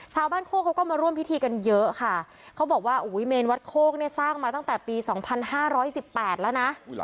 โคกเขาก็มาร่วมพิธีกันเยอะค่ะเขาบอกว่าเมนวัดโคกเนี่ยสร้างมาตั้งแต่ปี๒๕๑๘แล้วนะ